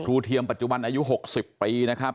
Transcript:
เทียมปัจจุบันอายุ๖๐ปีนะครับ